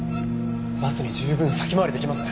バスに十分先回り出来ますね。